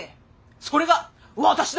それが私だ！